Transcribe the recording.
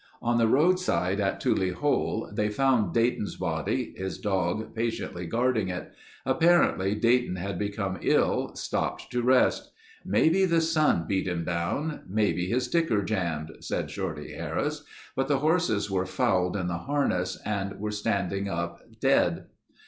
On the roadside at Tule Hole they found Dayton's body, his dog patiently guarding it. Apparently Dayton had become ill, stopped to rest. "Maybe the sun beat him down. Maybe his ticker jammed," said Shorty Harris, "but the horses were fouled in the harness and were standing up dead."